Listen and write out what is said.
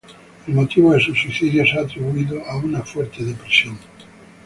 El motivo de su suicidio se ha atribuido a una fuerte depresión.